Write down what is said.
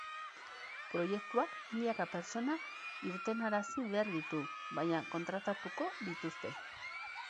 Proiektuak milaka pertsona irtenarazi behar ditu, baina, kontratatuko dituzte.